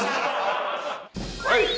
はい！